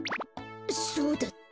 そうだった。